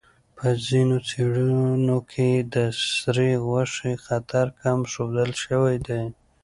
په ځینو څېړنو کې د سرې غوښې خطر کم ښودل شوی دی.